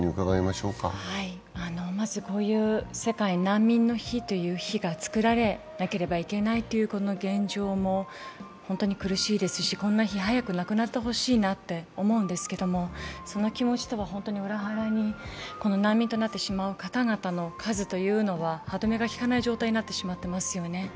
こういう世界難民の日という日が作られなければいけないというこの現状も苦しいですし、こんな日は早くなくなってほしいなと思うんですけれども、その気持ちとは裏腹に難民となってしまう方々の数というのは歯止めが利かない状態になってしまっていますよね。